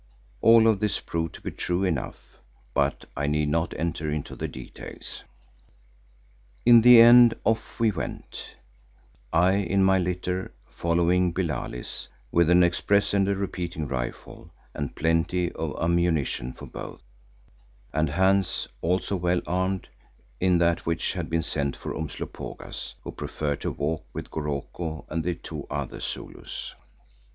All of this proved to be true enough, but I need not enter into the details. In the end off we went, I in my litter following Billali's, with an express and a repeating rifle and plenty of ammunition for both, and Hans, also well armed, in that which had been sent for Umslopogaas, who preferred to walk with Goroko and the two other Zulus.